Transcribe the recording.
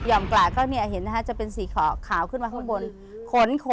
อย่อมกระก็เห็นนะคะจะเป็นสีขาวขึ้นมาข้างบน